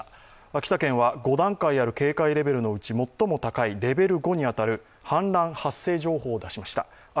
秋田県は５段階ある警戒レベルのうち最も高いレベル５に当たる氾濫発生情報を出しました。